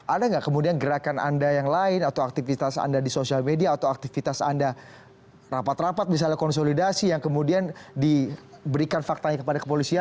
ada nggak kemudian gerakan anda yang lain atau aktivitas anda di sosial media atau aktivitas anda rapat rapat misalnya konsolidasi yang kemudian diberikan faktanya kepada kepolisian